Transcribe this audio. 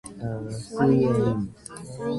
He was also awarded the Greek Military Cross.